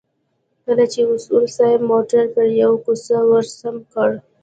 کله به اصولي صیب موټر پر يوه کوڅه ورسم کړ.